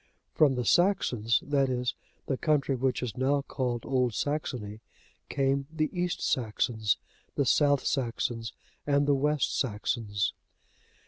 From the Saxons, that is, the country which is now called Old Saxony, came the East Saxons, the South Saxons, and the West Saxons.